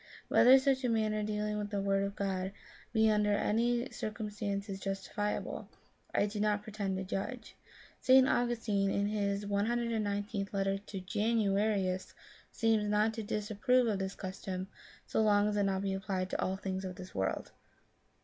Whether such a manner of dealing with the Word of God be under any circumstances justifiable, I do not pretend to judge. St. Augustine in his 1 19th letter to Janu arius seems not to disapprove of this custom, so long as it be not applied to things of this world.